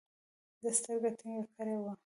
ده سترګه ټينګه کړې وه.